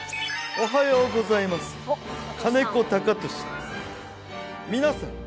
おはようございます金子貴俊です皆さん